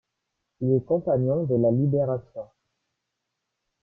Il est Compagnon de la Libération.